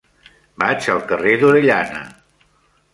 Vaig al carrer d'Orellana.